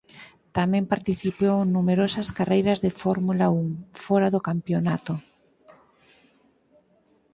Tamén participou en numerosas carreiras de Fórmula Un fóra do Campionato.